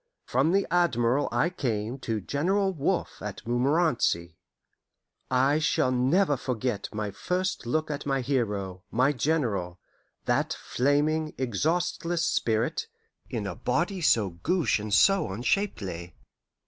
From the Admiral I came to General Wolfe at Montmorenci. I shall never forget my first look at my hero, my General, that flaming, exhaustless spirit, in a body so gauche and so unshapely.